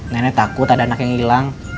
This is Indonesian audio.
nenek takut ada anak yang hilang